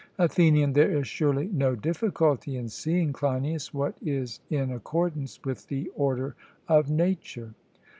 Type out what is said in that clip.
ATHENIAN: There is surely no difficulty in seeing, Cleinias, what is in accordance with the order of nature?